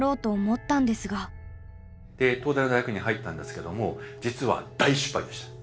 東大の大学院に入ったんですけども実は大失敗でした。